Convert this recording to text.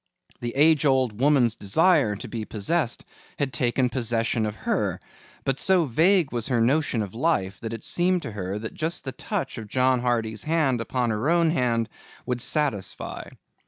The age old woman's desire to be possessed had taken possession of her, but so vague was her notion of life that it seemed to her just the touch of John Hardy's hand upon her own hand would satisfy.